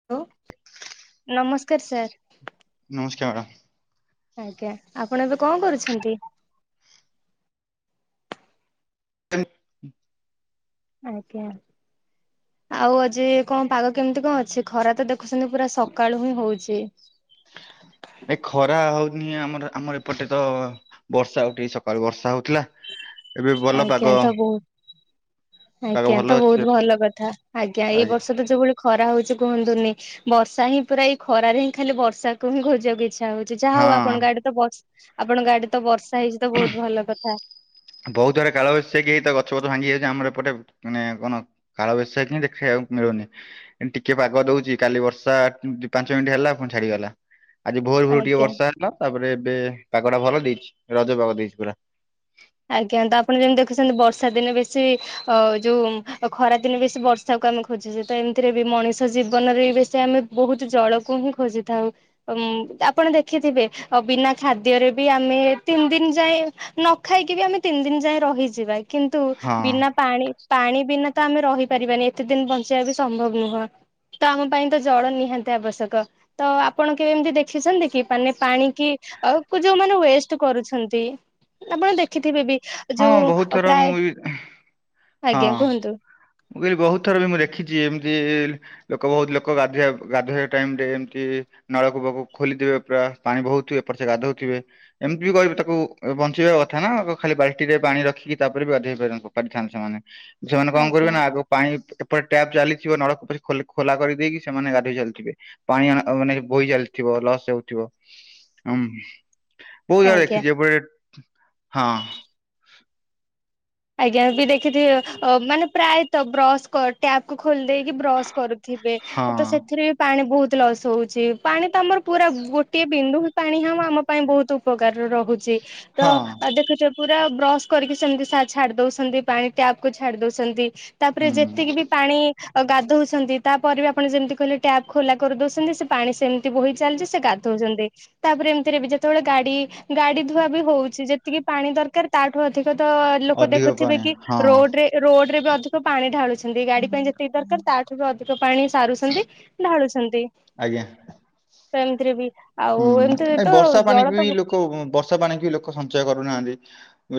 [unintelligible] ନମସ୍କାର୍ ସାର୍। ନମସ୍କାର। ଆଜ୍ଞା ଆପଣ ଏବେ କଣ କରୁଛନ୍ତି? ଆଜ୍ଞା। ଆଉ ଆଜି କଣ ପାଗ କେମିତି କଣ ଅଛି ଖରା ତ ଦେଖୁଛନ୍ତି ପୁରା ସକାଳୁ ହିଁ ହଉଛି। ଏ ଖରା ହଉନି ଆମର ଆମର ଏପଟେ ତ ବର୍ଷା ଉଠେଇକି ସକାଳୁ ବର୍ଷା ହଉଥିଲା ଏବେ ଭଲ ଆଜ୍ଞା ପାଗ ତ ବହୁତ ପାଗ ଆଜ୍ଞା ଭଲ ତ ଅଛି ବହୁତ ଏବେ। ଭଲ କଥା ଆଜ୍ଞା ଏଇ ବର୍ଷ ଯୋଉଭଳି ଖରା ହଉଛି କୁହନ୍ତୁନି ବର୍ଷା ହିଁ ପୁରା ଏଇ ଖରାରେ ହିଁ ଖାଲି ବର୍ଷାକୁ ହିଁ ଖୋଜିବାକୁ ଇ ଇଛା ହଉଛି ଯାହା ହଁ ହଉ ଆପଣଙ୍କ ଆଡେ ତ ବ ଆପଣଙ୍କ ଆଡେ ତ ବର୍ଷା ହେଇଛି ତ ବହୁତ ଭଲ କଥା। ବହୁତ ଜୋରେ କାଳ ବୈଶାଖୀ ହେଇଚିତ ଗଛପଛ ଭାଙ୍ଗି ଯାଉଛି ଆମର ପଟେ ମାନେ କଣ କାଳବୈଶାଖୀ ଦେଖିବାକୁ ମିଳୁନି। ଟିକେ ପାଗ ଦଉଛି କାଲି ବର୍ଷା ପାଞ୍ଚ ମିନିଟ୍ ହେଲା ପୁଣି ଛାଡିଗଲା। ଆଜି ଭୋରୁ ଭୋରୁ ଟିକେ ଆଜ୍ଞା ବର୍ଷା ହେଲା ତାପରେ ଏବେ ପାଗ ଟା ଭଲ ଦେଇଛି ରଜ ପାଗ ଦେଇଛି ପୁରା। ଆଜ୍ଞା ତ ଆପଣ ଯେମିତି ଦେଖୁଛନ୍ତି ବର୍ଷା ଦିନେ ବେଶୀ ଅ ଯୋଉ ଖରାଦିନେ ବେଶୀ ବର୍ଷାକୁ ଆମେ ଖୋଜୁଛେ ତ ଏମିତିରେ ବି ମଣିଷ ଜୀବନରେ ବି ବେଶୀ ଆମେ ବହୁତ ଜଳକୁ ହିଁ ଖୋଜିଥାଉ। ଆପଣ ଦେଖିଥିବେ ବିନା ଖାଦ୍ୟରେ ବି ଆମେ ତିନି ଦିନ ଯାଏ ନ ଖାଇକି ବି ଆମେ ତିନି ଦିନ ଯାଏ ରହିଯିବା କିନ୍ତୁ ହଁ ବିନା ପାଣି ପାଣି ବିନା ତ ଆମେ ରହି ପାରିବାନି ଏତେ ଦିନ ବଞ୍ଚିବା ବି ସମ୍ଭବ ନୁହଁ। ତ ଆମ ପାଇଁ ତ ଜଳ ନିହାତି ଆବଶ୍ୟକ ତ ଆପଣ କେବେ ଏମିତି ଦେଖିଛନ୍ତି କି ମାନେ ପାଣି କି ଆଗୁକୁ ଯୋଉମାନେ ୱେଷ୍ଟ କରୁଛନ୍ତି। ଆପଣ ଦେଖିଥିବେ ବି ହଁ ବହୁତ ଯୋଉ ଥର ମୁଁ ପ୍ରାୟ, ବି ହଁ ଆଜ୍ଞା କୁହନ୍ତୁ। ମୁଁ କହିଲି ବହୁତ ଥର ବି ଦେଖିଛି ଏମିତି ଲୋକ ବହୁତ ଲୋକ ଗାଧୋଇବା ଗାଧୋଇବା ଟାଇମରେ ଏମିତି ନଳକୂପକୁ ଖୋଲିଦେବେ ପୁରା ପାଣି ବହୁଥିବେ ଏପଟେ ସେ ଗାଧୋଉଥିବେ। ଏମିତି ବି କହିବ ତାକୁ ବଞ୍ଚିବା କଥା ନା ଖାଲି ବାଲ୍ଟି ରେ ପାଣି ରଖିକି ତାପରେବି ଗାଧେଇ ପାରିଥାନ୍ତେ ସେମାନେ। ସେମାନେ କଣ କରିବେ ଆଜ୍ଞା ନା ଆଗ ପାଣି ଏପଟେ ଟ୍ୟାପ ଚାଲିଥିବ ନଳକୂପ ଖୋଲା କରିଦେଇକି ସେମାନେ ଗାଧେଇ ଚାଲିଥିବେ। ପାଣି ମାନେ ବୋହି ଚାଲିଥିବ ଲସ ହଉଥିବ। ଆମ୍ ବୋହୁ ଜାଗା ଆଜ୍ଞା ଦେଖିଛି ଏ ହଁ। ଆଜ୍ଞା ବି ଦେଖିଥିବ ଅ ମାନେ ପ୍ରାୟତ ବ୍ରସ କ ଟ୍ୟାପକୁୁ ଖୋଲି ଦେଇେଇକି ବ୍ରସ୍ କରୁଥିବେ ହଁ ତ ସେଥିରେ ପାଣି ବହୁତ ଲସ୍ ହଉଛି ପାଣି ତ ଆମର ପୁରା ଗୋଟିଏ ବିନ୍ଦୁ ହ ପାଣି ହଁ ଆମ ପାଇଁ ବହୁତ ଉପକାର ରହୁଛି। ଚି ତ ହଁ ଦେଖୁଛ ପୁରା ବ୍ରସ୍ କରିକି ସେମିତି ସା ଛାଡି ଦଉଛନ୍ତି ପାଣି ଟ୍ୟାପକୁୁ ଛାଡି ଦଉଛନ୍ତି ତାପରେ ଯେତିକି ହୁଁ ବି ପାଣି ଗାଧଉଛନ୍ତି ତାପରେ ବି ଆପଣ ଯେମିତି କହିଲେ ଟ୍ୟାପ୍ ଖୋଲା କରିଦଉଛନ୍ତି ସେ ପାଣି ସେମ ମିତି ବୋହି ଚାଲିଛି ସେ ଗାଧଉଛନ୍ତି। ତାପରେ ଏମିତିରେ ବି ଯେତେବେଳେ ଗାଡି ଗାଡି ଧୁଆ ବି ହଉଛି ଯେତିକି ପାଣି ଦରକାର ତାଠୁ ଅଧିକ ତ ଲୋ ଅଧିକ ପାଣି ହଁ ରୋଡ ରେ ବି ଅଧିକ ପାଣି ଢାଳୁଛନ୍ତି ଗାଡି ପାଇଁ ଯେତିକି ଦରକାର ତା ତେବେ ଅଧିକ ପାଣି ସାରୁଛନ୍ତି ଢାଳୁଛନ୍ତି ଆଜ୍ଞା ତ ଏମତିରେ ବି ଆଉ ଏମତି ତ ଜଳ ତ ଗୋ କୋ ବର୍ଷା ପାଣିକି ଲୋକ ସଞ୍ଚୟ କରୁନାହାନ୍ତି।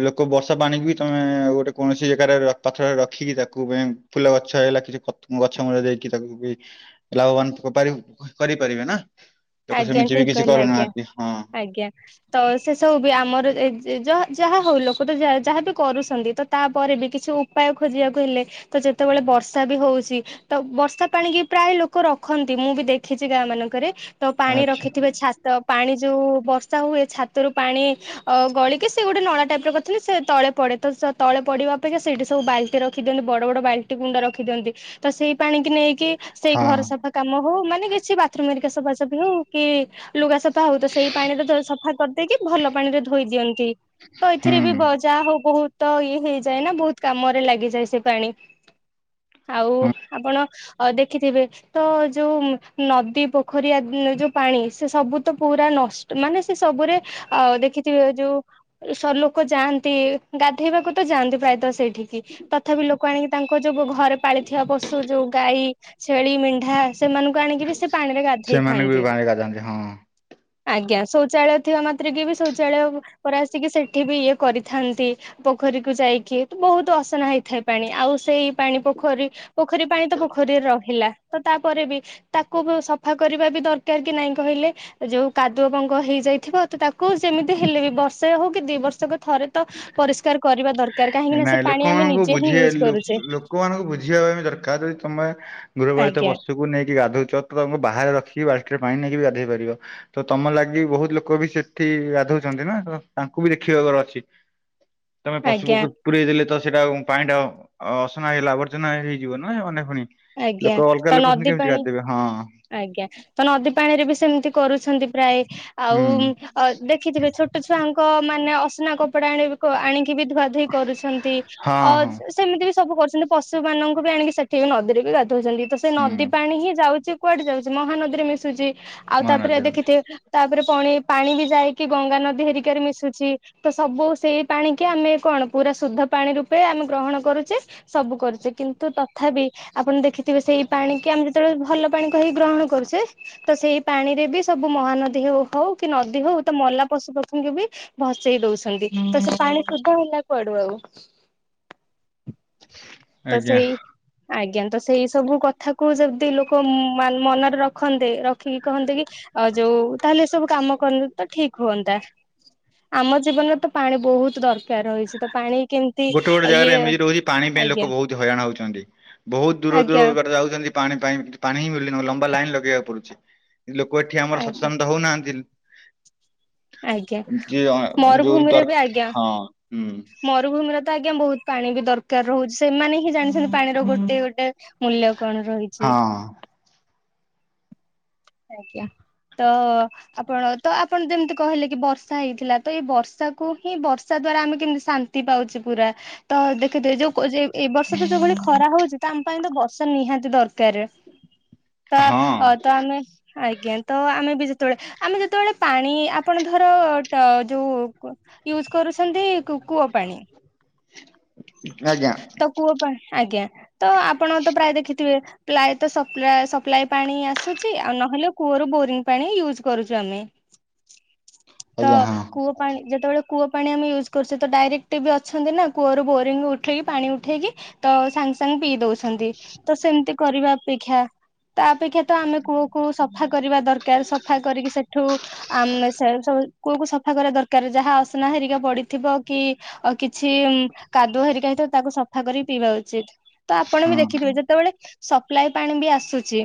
ଲୋକ ବର୍ଷା ପାଣିିକି ବି ତମେ ଗୋଟେ କୌଣସି ଏକାରେ ପାତ୍ରରେ ରଖିକି ତାକୁ ବିଁ ଫୁଲ ଗଛ ହେଇଗଲା କିଛି କତ୍ ଗଛ ମୂଳ ଦେଇକି ତାକୁ ବି ଲାଭବାନ କ ପାରି କରିପାରିବେ ନାଁ। ଆଜ୍ଞା ଠିକ୍ କହିଲେ ଆଜ୍ଞା ଆଜ୍ଞା। ତ ସେ ସବୁ ବି ଆମର ଏ ଯେ ଯ ଯାହା ହଉ ଲୋକ ତ ଯା ଯାହା ବି କରୁଛନ୍ତି ତ ତାପରେ ବି କିଛି ଉ ପାୟ ଖୋଜିବାକୁ ହେଲେ ତ ଯେତବେଳେ ବର୍ଷା ବି ହଉଛି ତ ବର୍ଷା ପାଣିକି ପ୍ରାୟ ଲୋକ ରଖନ୍ତି ମୁଁ ବି ଦେଖିଚି ଗାଁମାନଙ୍କରେ। ତ ପାଣି ଆଚ୍ଛା ରଖିଥିବେ ଛା ତ ପାଣି ଯୋଉ ବର୍ଷା ହୁଏ ଛାତରୁ ପାଣି ଅ ଗଳିକି ସେ ଗୋଟେ ନଳା ଟାଇପ୍ ରେ କରିଥିଲେ ସେ ତଳେ ପଡ଼େ। ତ ସ ତଳେ ପଡ଼ିବା ଅପେକ୍ଷା ସେଇଠି ସବୁ ବାଲଟି ରଖି ଦିଅନ୍ତି ବଡ଼ ବଡ଼ ବାଲଟି କୁଣ୍ଡା ରଖିଦିଅନ୍ତି। ତ ସେଇ ପାଣି କି ନେଇକି ସେଇ ହଁ ଘର ସଫା କାମ ହୋଉ ମାନେ କିଛି ବାଥରୁମ୍ ହେରିକ ସଫାସଫି ହଉ କି ଲୁଗା ସଫା ହଉ ତ ସେଇ ପାଣିରେ ଧୋ ସଫା କରିଦେଇକି ଭଲ ପାଣିରେ ଧୋଇ ଦିଅନ୍ତି। ତ ଏଥିରେ ବି ବ ହୁଁ ଯା ହୋଉ ବହୁତ ଇଏ ହେଇଯାଏ ନା ବୋହୁତ କାମରେ ଲାଗିଯାଏ ସେ ପାଣି ଆଉ ଆପଣ ଅ ଦେଖିଥିବେ ତ ଯୋଉ ନଦୀ ପୋଖରୀ ଆ ନୁ ଯୋଉ ପାଣି ସେ ସବୁ ତ ପୁରା ନଷ୍ଟ୍ ମାନେ ସେ ସବୁରେ ଅ ଦେଖିଥିବେ ଯୋଉ ଏଇ ସ ଲୋକ ଯାଆନ୍ତି ଗାଧେଇବାକୁ ତ ଯାଆନ୍ତି ପ୍ରାୟତଃ ସେଇ ଠିକି ତଥାପି ଲୋକ ଆଣିକି ତାଙ୍କ ଯୋଉ ଗ ଘରେ ପାଳିଥିବା ପଶୁ ଯୋଉ ଗାଈ ଛେଳି, ମେଣ୍ଢା ସେମାନୁଙ୍କୁ ଆଣିକି ବି ସେ ପାଣିରେ ଗାଧେଇ ସେମାନେ ବି ପାଣି ଗାଧାନ୍ତି ହଁ। [inaudible] ଆଜ୍ଞା ଶୌଚାଳୟ ଥିବା ମାତ୍ରକେ ବି ଶୌଚାଳୟ ପରେ ଆସିକି ସେଠି ବି ଇଏ କରିଥାନ୍ତି। ପୋଖରୀକୁୁ ଯାଇକି ତ ବହୁତ ଅସନା ହେଇଥାଏ ପାଣି ଆଉ ସେଇ ପାଣି ପୋଖରୀ ପୋଖରୀ ପାଣି ତ ପୋଖରୀରେ ରହିଲା ତ ତାପରେ ବି ତାକୁ ବୁ ସଫା କରିବା ବି ଦରକାର କି ନାଇଁ କହିଲେ? ଯୋଉ କାଦୁଅ ପଙ୍କ ହେଇଯାଇଥିବ ତ ତାକୁ ଯେମିତି ହେଲେ ବି ବର୍ଷେ ହଉ କି ଦି ବର୍ଷକ ଥରେ ତ ପରିଷ୍କାର କରିବା ଦରକାର କାହିଁକି ନା ନାଇଁ ସେ ପାଣି ଆମେ ନିଜେ ହିଁ ୟୁଜ୍ କରୁଚେ। କୋମାନଙ୍କୁ ବୁଝିବା ପାଇଁ ବି ଦରକାର ଯଦି ତମେ ଗୃହପାଳିତ ଆଜ୍ଞା ପଶୁକୁ ନେଇକି ଗାଧୋଉଚ ତ ତମୁ ବାହାରେ ରଖି ବାଲ୍ଟିରେ ପାଣି ନେଇକି ବି ଗାଧେଇ ପାରିବ। ତ ତମ ଲାଗି ବହୁତ ଲୋକ ବି ସେଠି ଗାଧୋଉଚନ୍ତି ନା ତ ତାଙ୍କୁ ବି ଦେଖିବାକର ଅଛି। ତମେ ପଶୁ ଆଜ୍ଞା ପକ୍ଷୀ ପୁରେଇ ଦେଲେ ତ ସେଟା ପାଣିଟା ଅସନା ହେଇଲା ଆବର୍ଜନା ହେଇଯିବ ନା ଅନ୍ୟ ଫୁଣି ଆଜ୍ଞା ଲୋକ ଅଲଗା ତ ଲୋକ ଫୁଣି ନଦୀ କେମିତି ପାଣି ଗାଧେଇବେ? ହଁ‌। ଆଜ୍ଞା ତ ନଦୀ ପାଣିରେ ବି ସେମତି କରୁଛନ୍ତି ପ୍ରାୟ ଆଉ ହୁଁ ଅ ଦେଖିଥିବେ ଛୋଟ ଛୁଆଙ୍କ ମାନେ ଅସନା କପଡ଼ା ଆଣିବି କ ଆଣିକି ବି ଧୁଆ ଧୁଇ କରୁଛନ୍ତି ହଁ ଅ ହଁ ସେମିତି ବି ସବୁ କରୁଛନ୍ତି ପଶୁ ମାନଙ୍କୁ ବି ଆଣିକି ସେଠି ବି ନଦୀରେ ବି ଗା ଧୋଛନ୍ତି ତ ସେ ନଦୀ ହୁଁ ପାଣି ହିଁ ଯାଉଚି କୁଆଡ଼େ ଯାଉଛି ମହାନଦୀରେ ମିଶୁଚି। ଆଉ ତାପରେ ମହାନଦୀର ଦେଖିଥିବେ ତାପରେ ପଣି ପାଣି ବି ଯାଇକି ଗଙ୍ଗା ନଦୀ ହେରିକାରେ ମିଶୁଛି। ତ ସବୁ ସେଇ ପାଣି କି ଆମେ କଣ ପୁରା ଶୁଦ୍ଧ ପାଣି ରୂପେ ଆମେ ଗ୍ରହଣ କରୁଚେ। ସବୁ କରୁଚେ କିନ୍ତୁ ତଥାପି ଆପଣ ଦେଖିଥିବେ ସେଇ ପାଣି କି ଆମେ ଯେତଳେ ଭଲ ପାଣି କହି ଗ୍ରହଣ କରୁଚେ। ତ ସେଇ ପାଣିରେ ବି ସବୁ ମହାନଦୀ ହେଉ ହଉ କି ନଦୀ ହଉ ତ ମଲା ପଶୁପକ୍ଷୀଙ୍କି ବି ଭସେଇ ଦଉଛନ୍ତି, ତ ସେ ପାଣି ଶୁଦ୍ଧ ହେଲା କୁଆଡୁ ଆଉ? [unintelligible] ତ ସେଇ ଆଜ୍ଞା ତ ସେଇ ସବୁ କଥା କୁ ଯେମତି ଲୋକ ମନରେ ରଖ ରଖନ୍ତେ, ରଖିକି କହନ୍ତେ କି, ଆ ଯୋଉ ତାହେଲେ ଏ ସବୁ କାମ କଲେ ତ ଠିକ୍ ହୁଅନ୍ତା। ଆମ ଜୀବନରେ ତ ପାଣି ବହୁତ ଦରକାର ରହିଚି। ତ ପାଣି କେମ ଗୋଟେ ଗୋଟେ ଜାଗାରେ ଏମିତି ରହୁଚି, ପାଣି ପାଇଁ ଲୋକ ବହୁତ ହଇରାଣ ହଉଚନ୍ତି। ବହୁତ ଦୂର ଦୂର ଆଜ୍ଞା ବାଟ ଯାଉଚନ୍ତି ପାଣି ପାଇଁ, ପାଣି ହିଁ ମିଳୁନି ଲମ୍ବା ଲାଇନ ଲଗେଇବାକୁ ପଡୁଚି, ଲୋକ ଏଠି ଆମର ଆଜ୍ଞା ସଚେତନ ତ ହଉନାହାନ୍ତି ଆଜ୍ଞା ଯ, ଯୋଉ ମରୁଭୂମିରେ ଦରକାର ହଁ, ହୁଁ। ମରୁଭୂମିରେ ତ ଆଜ୍ଞା ବହୁତ ପାଣି ବି ଦରକାର ରହୁଛି। ସେମାନେ ହିଁ ଜାଣିଛନ୍ତି ପାଣିର ଗୋଟେ ଗୋଟେ ମୂଲ୍ୟ କଣ ରହିଚି? ହଁ ଆଜ୍ଞା, ତ ଆପଣ ତ ଆପ୍ ଆପଣ ଯେମିତି କହିଲେ କି ବର୍ଷା ହେଇଥିଲା। ତ ଏଇ ବର୍ଷାକୁ ହିଁ ବର୍ଷା ଦ୍ଵାରା ଆମେ କେମିତି ଶାନ୍ତି ପାଉଛେ ପୁରା ତ ଦେଖିଦେ, ଯୋଉ କୋ ଯେ ଏ ବର୍ଷ ତ ଯୋଉଭଳି ଖରା ହଉଚି, ତ ଆମ ପାଇଁ ତ ବର୍ଷା ନିହାତି ଦରକାର। ତ, ହଁ ତ ଆମେ, ଆଜ୍ଞା, ତ ଆମେ ବି ଯେତେବେଳେ, ଆମେ ଯେତେବେଳେ ପାଣି ଆପଣ ଧର ଟ, ଯୋଉ ୟୁଜ୍ କରୁଚନ୍ତି କୂଅ ପାଣି ଆଜ୍ଞା। ତ କୂଅ ପାଇଁ, ଆଜ୍ଞା, ତ ଆପଣ ତ ପ୍ରାୟ ଦେଖିଥିବେ ପ୍ରାୟ ତ, ସପ୍ଲାଏ, ସପ୍ଲାଏ ପାଣି ଆସୁଚି, ଆଉ ନହେଲେ କୂଅରୁ ବୋରିଙ୍ଗ ପାଣି ୟୁଜ୍ କରୁଚୁ ଆମେ। ତ, ଆଜ୍ଞା ହଁ କୂଅ ପାଣି ଯେତେବେଳେ କୂଅ ପାଣି ଆମେ ୟୁଜ୍ କରୁଛେ, ତ ଡାଇରେକ୍ଟ ବି ଅଛନ୍ତି ନା, କୂଅରୁ ବୋରିଙ୍ଗ ଉଠେଇକି, ପାଣି ଉଠେଇକି ତ ସାଙ୍ଗେ ସାଙ୍ଗେ ପିଇ ଦଉଛନ୍ତି, ତ ସେମିତି କରିବା ଅପେକ୍ଷା ତା ଅପେକ୍ଷା ତ, ଆମେ କୂଅକୁ ସଫା କରିବା ଦରକାର, ସଫା କରିକି ସେଠୁ ଆମେ ସେ କୂଅକୁ ସଫା କରିବା ଦରକାର, ଯାହା ଅସନା ହେରିକା ପଡିଥିବ କି ଆଉ କିଛି କାଦୁଅ ହେରିକା ହେଇଥିବ, ତାକୁ ସଫା କରିକି, ପିଇବା ଉଚିତ୍। ତ ଆପଣ ବି ହଁ ଦେଖିଥିବେ, ଯେତେବେଳେ ସପ୍ଲାାଇ ପାଣି ବି ଆସୁଚି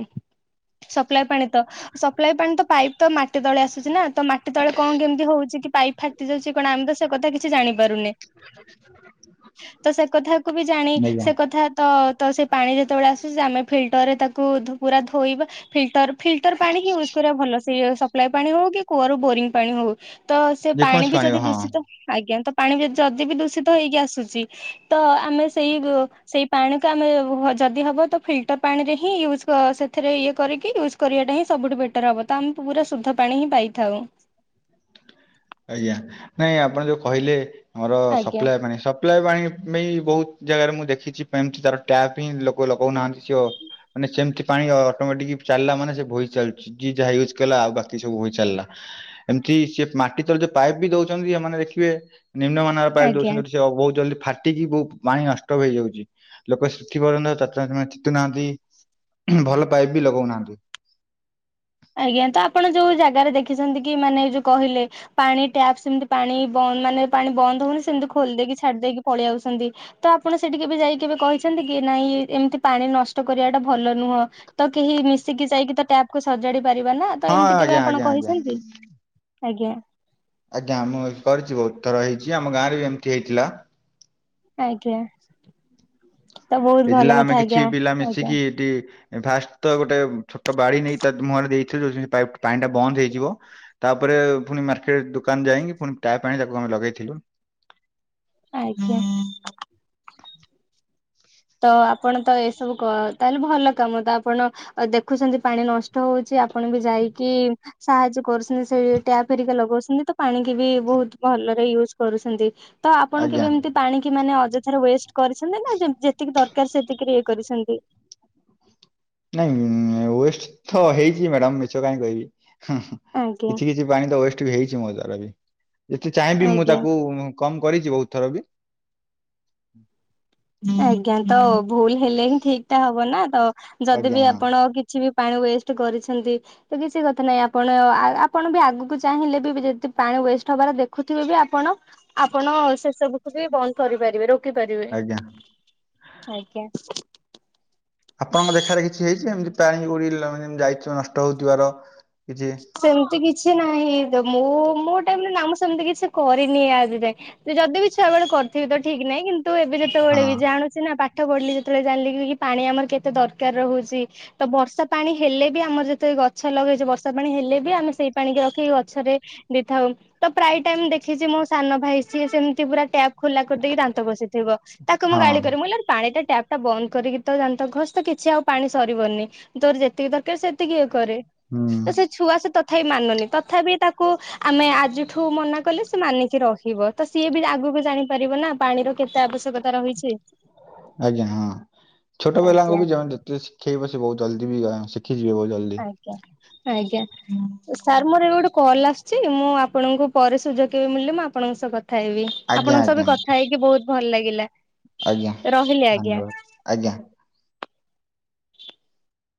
ସପ୍ଲାଏ ପାଣି ତ, ସପ୍ଲାଏ ପାଣି ତ, ପାଇପ୍ ତ ମାଟି ତଳେ ଆସୁଛି ନା, ତ କେତେବେଳେ କଣ କେମିତି ହଉଚି, କି ପାଇପ୍ ଫାଟି ଯାଉଚି, କଣ ଆମେ ତ ସେ କଥା କିଛି ଜାଣିପାରୁନେ [unintelligible] ତ ସେ କଥା କୁ ବି ଜାଣି, ଆଜ୍ଞା ସେ କଥା ତ, ତ ସେ ପାଣି ଯେତେବେଳେ ଆସୁଚି, ଆମେ ଫିଲ୍ଟରରେ ତାକୁ ପୁରା ଧୋଇବା, ଫିଲ୍ଟର ଫିଲ୍ଟର ପାଣି ହିଁ ୟୁଜ୍ କରିବା ଭଲ, ସେ ସପ୍ଲାଏ ପାଣି ହଉ କି, କୂଅ ର ବୋରିଙ୍ଗ ପାଣି ହଉ? ତ, ସେ ପାଣି ଯେକୌଣସି ବି ଯଦି ହଁ। ଦୂଷିତ ଆଜ୍ଞା, ତ ପାଣି ଯଦି ବି ଦୂଷିତ ହେଇକି ଆସୁଚି, ତ ଆମେ ସେଇ ସେଇ ପାଣିକୁ ଆମେ ଯଦି ହବ, ତ ଫିଲ୍ଟର ପାଣି ରେ ହିଁ ୟୁଜ, ସେଥିରେ ଇଏ କରିକି ୟୁଜ କରିବାଟା ହିଁ ସବୁଠୁ ବେଟର ହବ, ତ ଆମେ ପୁରା ଶୁଦ୍ଧ ପାଣି ହିଁ ପାଇଥାଉ। ଆଜ୍ଞା, ନାଇଁ ଆପଣ ଯୋଉ କହିଲେ, ଆମର ଆଜ୍ଞା ସପ୍ଲାଏ ପାଣି, ସପ୍ ସପ୍ଲାଏ ପାଣି ପାଇଁ ବହୁତ ଜାଗାରେ ମୁଁ ଦେଖିଚି, ଏମତି ତାର ଟ୍ୟାପ ହିଁ ଲୋକ ଲଗଉନାହାନ୍ତି, ସିଏ ମାନେ ସେମିତି ପାଣି ଅଟୋମେଟିକ ଚାଲିଲା ମାନେ, ସେ ବହି ଚାଲୁଚି। ଯିଏ ଯାହା ୟୁଜ କଲା, ଆଉ ବାକି ସବୁି ବହି ଚାଲିଲା, ଏମିତି ସିଏ ମାଟି ଯଉ ପାଇପ୍ ବି ଦଉଚନ୍ତି, ଏମାନେ ଦେଖିବେ ନିମ୍ନମାନର ପାଇପ୍ ଆଜ୍ଞା। ଦଉଚନ୍ତି, ହେଟୁ ସେ ବହୁତ ଜଲଦି ଫାଟି ଫାଟିକି ବହୁ ପାଣି ନଷ୍ଟ ହେଇଯାଉଚି, ଲୋକ ସେଥି ପର୍ଯ୍ୟନ୍ତ [unintelligible] ଭଲ ପାଇପ୍ ବି ଲଗଉନାହାନ୍ତି। ଆଜ୍ଞା, ତ ଆପଣ ଯୋଉ ଜାଗାରେ ଦେଖିଚନ୍ତି କି, ମାନେ ଯୋଉ କହିଲେ ପାଣି ଟ୍ୟାପ ସେମିତି ପାଣି ବନ୍ଦ ମାନେ ପାଣି ବନ୍ଦ ହଉନି, ସେମିତି ଖୋଲି ଦେଇକି, ଛାଡି ଦେଇକି, ପଳେଇ ଆଉଚନ୍ତି। ତ ଆପଣ ସେଠିକି କେବେ ଯାଇକ କେବେ କହିଚନ୍ତିକି ନାଇଁ ଏମିତି ପାଣି ନଷ୍ଟ କରିବାଟା ଭଲ ନୁହଁ। ତ କେହି ମିଶିକି ଯାଇକିତ ଟ୍ୟାପକୁ ସ ସଜାଡ଼ି ପାରିବାନା ହଁ ତଏମିତି କେବେ ଆଜ୍ଞା ଆପଣ ଆଜ୍ଞା ଆଜ୍ଞା କହିଚନ୍ତି ଆଜ୍ଞା। ଆଜ୍ଞା ମୁଁ ଏକରିଚି ବହୁତ୍ ଥର ହେଇଚି ଆମ ଗାଁରେବି ଏମିତି ହେଇଥିଲା। ଆଜ୍ଞା। ତ ବହୁତ ଏ ଭଲ କଥା ଆମେ କିଛି ଆଜ୍ଞା ପିଲା ଆଜ୍ଞା ମିଶିକି ଏଠି ଫାଷ୍ଟତ ଗୋଟେ ଛୋଟ ବାଡ଼ି ନେଇ ତାମୁହଁରେ ଦେଇଥିଲେ ଯୋଉ ପାଣିଟା ବନ୍ଦ ହେଇଯିବ ତାପରେ ପୁଣି ମାର୍କେଟ ଦୋକାନ ଯାଇକି ପୁଣି ଟ୍ୟାପ୍ ଆଣି ତାକୁ ଆମେ ଲଗେଇଥିଲୁ। ଆଜ୍ଞା। ତ ଆପଣ ତ ଏସବୁ ତାହେଲେ ଭଲ କାମ ତ ଆପଣ ଆଁ ଦେଖୁଛନ୍ତି ପାଣି ନଷ୍ଟ ହଉଚି ଆପଣବି ଯାଇକି ସାହାଯ୍ୟ କରୁଛନ୍ତି ସେଇ ଟ୍ୟାପ୍ ଫେରିକି ଲଗାଉଛନ୍ତି ତପାଣିକିବି ବହୁତ୍ ଭଲରେ ୟୁଜ କରୁଛନ୍ତି। ତ ଆପଣ ଆଜ୍ଞା କେବେ ଏମିତି ପାଣକିି ମାନେ ଅଯଥାରେ ୱେଷ୍ଟ କରିଛନ୍ତିନା ଯେ ଯେତିକି ଦରକାର୍ ସେତିକି ଇଏ କରିଛନ୍ତି? ନାଇଁ ୱଷ୍ଟତ ହେଇଚି ମ୍ୟାଡ଼ାମ୍ ମିଛ କାହିଁ କହିବି କିଛି ଆଜ୍ଞା କିଛି କିଛି ପାଣିତ ୱେଷ୍ଟବି ହେଇଚି ମୋଦ୍ଵାରାବି ଯେତେ ଚାହିଁବି ମୁଁ ଆଜ୍ଞା। ତାକୁ କମ୍ କରିଚି ବହୁତଥରବି ଆଜ୍ଞା ତଭୁଲ ହେଲେହିଁ ଠିକଟା ହବନା ଆଜ୍ଞା ତଯଦିବିି ହଁ ଆପଣ କିଛିବି ପାଣି ୱେଷ୍ଟ କରିଛନ୍ତି ତ କିଛି କଥା ନାହିଁ ଆପଣ ଆପଣବି ଆଗକୁ ଚାହିଁଲେବି ଯଦି ପାଣି ୱେଷ୍ଟ ହବାର ଦେଖୁଥିବେବି ଆପଣ ଆପଣ ସେସବୁକୁବି ବନ୍ଦ କରିପାରିବେ ରୋକି ପାରିବେ ଆଜ୍ଞା। ଆଜ୍ଞା। ଆପଣଙ୍କ ଦେଖାରେ କିଛି ହେଇଚି ଏମିତି ପାଣି ଗୁେ ଯାଇଥିବ ନଷ୍ଟ ହଉଥିବାର କିଛି ସେମିତି କିଛି ନାହିଁତ ମୁଁ ମୋ ଟାଇମରେନା ମୁଁ ସେମିତି କିଛି କରିନି ଆଜି ଯାଏ ଯଦିବି ଛୁଆବେଳେ କରିଥିବି ତ ଠିକ୍ ନାହିଁ କିନ୍ତୁ ଏବେ ହଁ ଯେତେବେଳେବି ଜାଣୁ ସିନା ପାଠ ପଢିଲି ଯେତେବେଳେ ଜାଣିଲିକି କିପାଣି ଆମର କେତେ ଦରକାର୍ ରହୁଚି ତ ବର୍ଷା ପାଣି ହେଲେବି ଆମର ଯେତେ ଗଛ ଲଗେଇଚୁ ବର୍ଷା ସା ପାଣି ହେଲେବି ଆମେ ସେଇ ପାଣିି ରଖିକ ଗଛରେ ଦେଇଥାଉ। ତ ପ୍ରାୟ ଟାଇମ୍ ଦେଖିଚି, ମୋ ସାନ ଭାଇ ସିଏ ସେମିତି ପୁରା ଟ୍ୟାପ୍ ଖୋଲା କରିଦେଇକି ଦାନ୍ତ ଘସୁଥିବ। ତାକୁ ମୁଁ ହଁ ଗାଳି କରିମୁ ମୁଁକହିଲି ପାଣିଟା ଟ୍ୟାପ୍ ବନ୍ଦ କରିକିତ ଦାନ୍ତ ଘସତ କିଛି ଆଉ ପାଣି ସରିବନି ତୋର ଯେତିକି ଦରକାର ସେତିକି ଇଏ କରେ। ହୁଁ ତ ସେ ଛୁଆ ସେତ ତଥାପି ମାନୁନି ତଥାପି ତାକୁ ଆମେ ଆଜିଠୁ ମନା କଲେ ସେମାନିକି ରହିବ। ତ ସିଏବି ଆଗକୁ ଜାଣିପାରିବନା ପାଣିର କେତେ ଆବଶ୍ୟକ? ଆଜ୍ଞା ହଁ, ଛୋଟ ଆଜ୍ଞା ପିଲାଙ୍କୁବି [unintelligible] ଯେ ସେଇବା ସେବହୁତ ଜଲ୍ଦି ଶିଖିଯିବେ ବହୁତ୍ ଜଲ୍ଦି ଆଜ୍ଞା ଆଜ୍ଞା ସାର୍ ମୋର ଏବେ ଗୋଟେ କଲ୍ ଆସୁଚି ମୁଁ ଆପଣଙ୍କୁ ପରେ ସୁଯୋଗ କେବେ ମିଳିଲେ ମୁଁ ଆପଣଙ୍କ ସହ କଥା ହେବି। ଆଜ୍ଞା ଆପଣଙ୍କ ସହ ଆଜ୍ଞା ଏବେ କଥା ହେଇକି ବହୁତ୍ ଭଲ ଲାଗିଲା। ଆଜ୍ଞା ରହିଲି ଆଜ୍ଞା। ଧନ୍ୟବାଦ୍ ଆଜ୍ଞା।